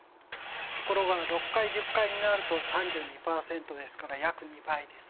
ところが６階１０階になると３２％ですから約２倍です。